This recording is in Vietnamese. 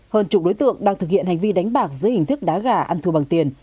hơn chục đối tượng đang thực hiện hành vi đánh bạc dưới hình thức đá gà ăn thua bằng tiền